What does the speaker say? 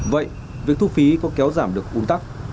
vậy việc thu phí có kéo giảm được un tắc